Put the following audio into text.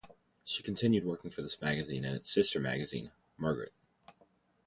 She continued working for this magazine and its sister magazine "Margaret".